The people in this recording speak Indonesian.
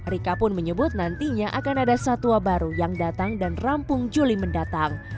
rika pun menyebut nantinya akan ada satwa baru yang datang dan rampung juli mendatang